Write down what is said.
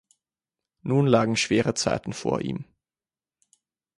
Nun lagen schwere Zeiten vor ihm.